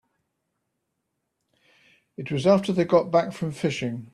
It was after they got back from fishing.